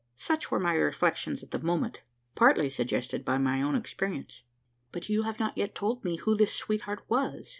Such were my reflections at the moment, partly suggested by my own experience. "But you have not yet told me who this sweetheart was?